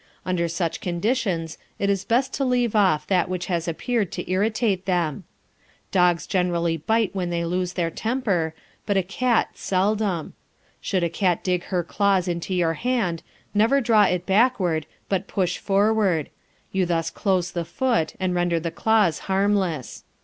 Under such conditions it is best to leave off that which has appeared to irritate them. Dogs generally bite when they lose their temper, but a cat seldom. Should a cat dig her claws into your hand, never draw it backward, but push forward; you thus close the foot and render the claws harmless.